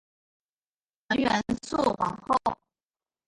纯元肃皇后。